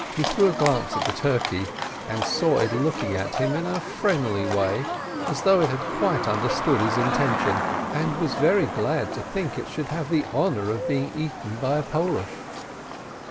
He threw a glance at the turkey, and saw it looking at him in a friendly way, as though it bad quite understood bis intention, and was very glad to 76 PEREZ think it should have the honor of being eaten by a Porush.